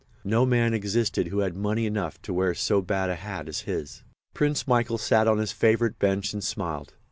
No man existed who had money enough to wear so bad a hat as his. Prince Michael sat on his favourite bench and smiled.